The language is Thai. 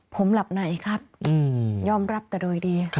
ผมหลับไหนครับยอมรับแต่โดยดี